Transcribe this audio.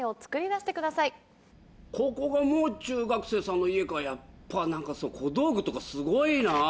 ここが「もう中学生」さんの家かやっぱ小道具とかすごいな。